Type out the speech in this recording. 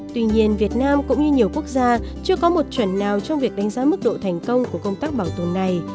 tuy nhiên việt nam cũng như nhiều quốc gia chưa có một chuẩn nào trong việc đánh giá mức độ thành công của công tác bảo tồn này